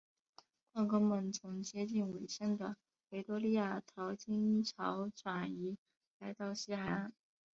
矿工们从接近尾声的维多利亚淘金潮转移来到西海岸。